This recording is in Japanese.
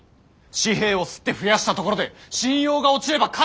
紙幣を刷って増やしたところで信用が落ちれば価値が下がる。